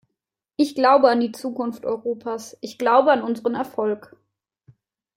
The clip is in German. Ich glaube an die Zukunft Europas, ich glaube an unseren Erfolg.